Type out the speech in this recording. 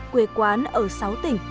quế quán ở sáu tỉnh